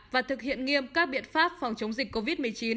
và thực hiện nghiêm các biện pháp phòng chống dịch covid một mươi chín